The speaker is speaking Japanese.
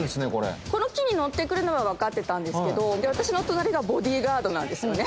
この機に乗って来るのは分かってたんですけど私の隣がボディーガードなんですよね。